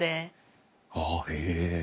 あっへえ。